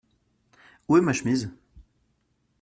Où est ma chemise ?